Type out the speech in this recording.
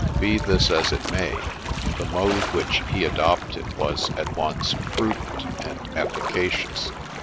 Be this as it may, the mode which he adopted was at once prudent and efficacious.